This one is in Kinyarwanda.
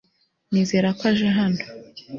nizera ko aje hano